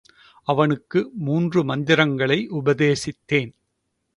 அவனுக்கு மூன்று மந்திரங்களை உபதேசித்தான்.